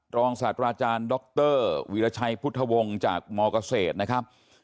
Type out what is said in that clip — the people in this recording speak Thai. ทราวงศาสตราอาจารย์ดรวิลาไชพุทธวงศ์จากหม้ากเขศนะครับ